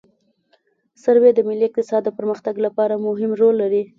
سروې د ملي اقتصاد د پرمختګ لپاره مهم رول لري